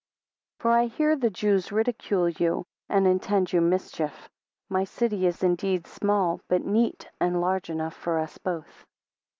6 For I hear the Jews ridicule you and, intend you mischief. 7 My city is indeed small, but neat, and large enough for us both.